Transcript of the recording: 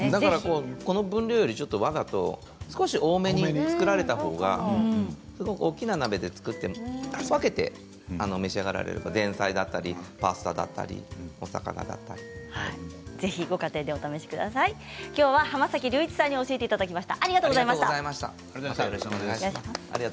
この分量より少し多めに作られたほうが大きな鍋で作って分けて召し上がられれば前菜だったりパスタだったりきょうは濱崎龍一さんに教えていただきました。